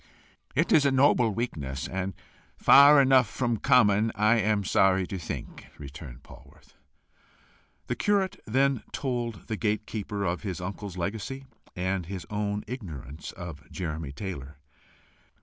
"It is a noble weakness, and far enough from common, I am sorry to think," returned Polwarth. The curate then told the gate keeper of his uncle's legacy, and his own ignorance of Jeremy Taylor.